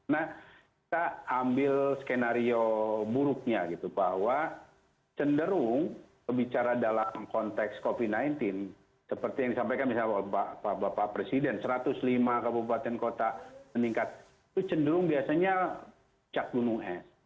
nah kita ambil skenario buruknya gitu bahwa cenderung bicara dalam konteks covid sembilan belas seperti yang disampaikan misalnya pak bapak presiden satu ratus lima kabupaten kota meningkat itu cenderung biasanya cak gunung es